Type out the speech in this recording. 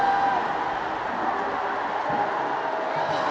เวรบัติสุภิกษ์